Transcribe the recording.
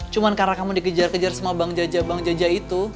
cuma karena kamu dikejar kejar sama bang jaja bang jaja itu